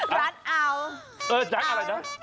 ร้านอาวเออจั๊งอะไรนะ